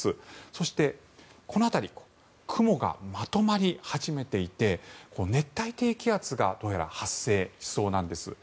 そして、この辺り雲がまとまり始めていて熱帯低気圧がどうやら発生しそうなんです。